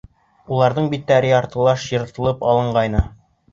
Уның биттәре яртылаш йыртып алынғайны.